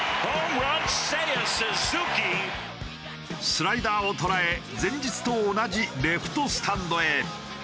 スライダーを捉え前日と同じレフトスタンドへ。